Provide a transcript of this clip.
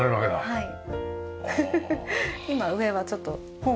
はい。